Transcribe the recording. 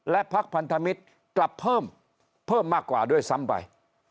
และพักพันธมิตรกลับเพิ่มเพิ่มมากกว่าด้วยซ้ำไป